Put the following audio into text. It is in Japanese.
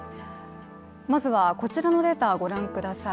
まずは、こちらのデータ、ご覧ください。